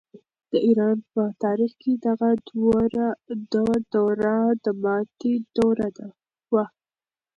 د ایران په تاریخ کې دغه دوره د ماتې دوره وه.